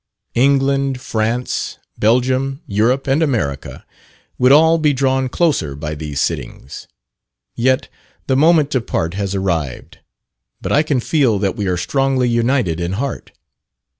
England, France, Belgium, Europe, and America, would all be drawn closer by these sittings. Yet the moment to part has arrived, but I can feel that we are strongly united in heart.